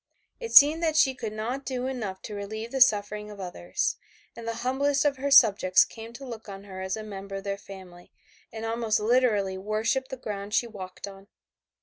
It seemed that she could not do enough to relieve the sufferings of others, and the humblest of her subjects came to look on her as a member of their family, and almost literally worshipped the ground she walked on.